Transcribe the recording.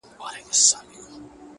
o ژوند پکي اور دی، آتشستان دی.